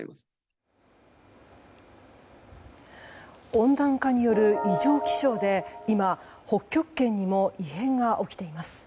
温暖化による異常気象で今、北極圏にも異変が起きています。